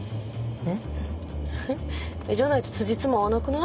え？じゃないとつじつま合わなくない？